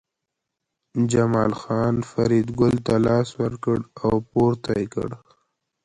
جمال خان فریدګل ته لاس ورکړ او پورته یې کړ